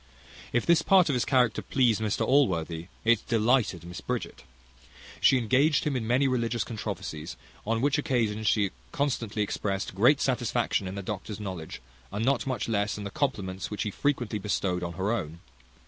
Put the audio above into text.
If this part of his character pleased Mr Allworthy, it delighted Miss Bridget. She engaged him in many religious controversies; on which occasions she constantly expressed great satisfaction in the doctor's knowledge, and not much less in the compliments which he frequently bestowed on her own.